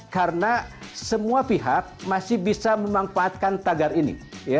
karena semua pihak masih bisa memanfaatkan tagar ini